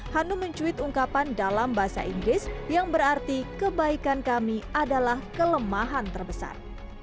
hanum mencuit ungkapan dalam bahasa inggris yang berarti kebaikan kami adalah kelemahan terbesar